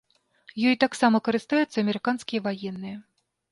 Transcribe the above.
Ёй таксама карыстаюцца амерыканскія ваенныя.